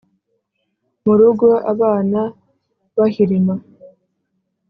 mu rugo abana bahirima